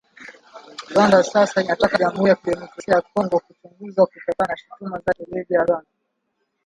Rwanda sasa inataka Jamhuri ya Kidemokrasia ya Kongo kuchunguzwa kutokana na shutuma zake dhidi ya Rwanda.